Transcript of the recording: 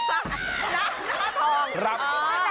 หน้าทอง